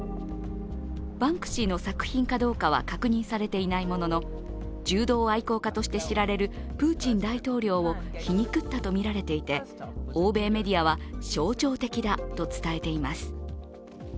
バンクシーの作品かどうかは確認されていないものの柔道愛好家として知られるプーチン大統領を皮肉ったとみられていて欧米メディアは象徴的だと伝えています。